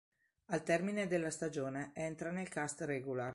Al termine della stagione, entra nel cast regular.